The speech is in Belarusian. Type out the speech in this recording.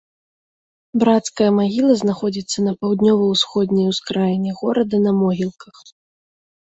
Брацкая магіла знаходзіцца на паўднёва-ўсходняй ускраіне горада на могілках.